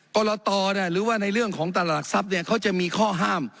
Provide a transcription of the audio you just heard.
กรตหรือว่าในเรื่องของตลาดทรัพย์เขาจะมีข้อห้าม